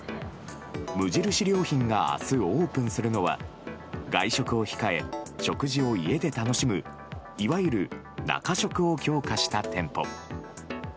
無印良品が明日オープンするのは、外食を控え食事を家で楽しむいわゆる中食を強化した店舗。